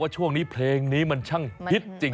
ช่วงนี้เพลงนี้มันช่างฮิตจริง